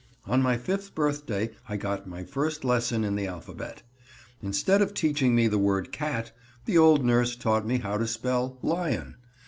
On my fifth birthday I got my first lesson in the alphabet. Instead of teaching me the word cat, the old nurse taught me how to spell lion.